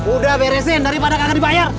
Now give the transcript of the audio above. udah beresin daripada karena dibayar